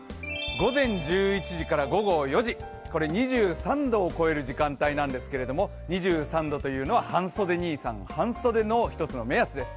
午前１１時から午後４時、２３度を超える時間帯なんですけれど２３度というのは半袖兄さん、半袖の一つの目安です。